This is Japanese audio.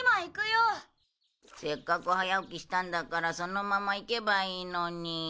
せっかく早起きしたんだからそのまま行けばいいのに。